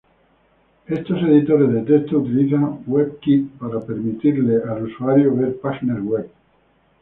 Estos editores de texto utilizan WebKit para permitirle al usuario ver páginas web.